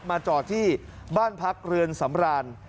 จอดที่บ้านพักเรือนสำราน